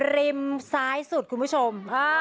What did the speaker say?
ซ้ายสุดคุณผู้ชม